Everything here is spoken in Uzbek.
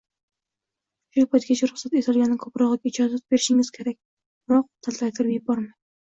shu paytgacha ruxsat etilganidan ko‘prog‘iga ijozat berishingiz kerak, biroq taltaytirib yubormang.